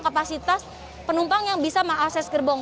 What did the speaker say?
kapasitas penumpang yang bisa mengakses gerbong